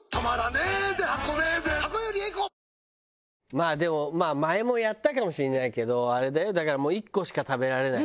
まあでも前もやったかもしれないけどあれだよだからもう１個しか食べられない